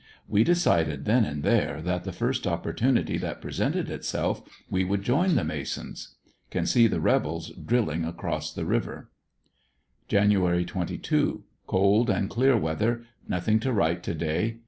We decided then and there that the first opportunity that presented itself we would join the Masons. Can see the rebels drilling across the river. Jan. 22. — Cold and clear weather. Nothing to write to day.